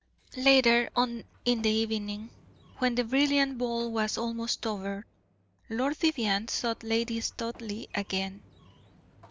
Later on in the evening, when the brilliant ball was almost over, Lord Vivianne sought Lady Studleigh again.